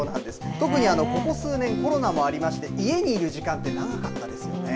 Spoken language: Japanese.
特にここ数年コロナもありまして家にいる時間長かったですよね。